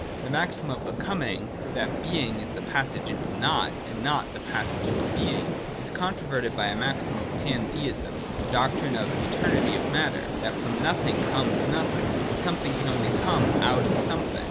(5) The maxim of Becoming, that Being is the pas sage into Nought, and Nought the passage into Being, is controverted by the maxim of Pantheism, the doctrine of the eternity of matter, that from nothing comes nothing, and that something can only come out of some thing.